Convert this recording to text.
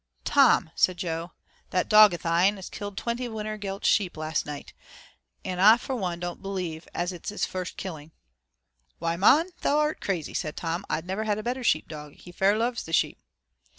"Tom," said Jo, "that dog o' thine 'as killed twenty of Widder Gelt's sheep, last night. An' ah fur one don't believe as its 'is first killin'." "Why, mon, thou art crazy," said Tom. "Ah never 'ad a better sheep dog 'e fair loves the sheep."